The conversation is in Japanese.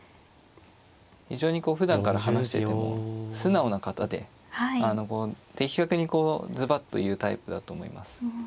非常にこうふだんから話してても素直な方であの的確にこうズバッと言うタイプだと思います。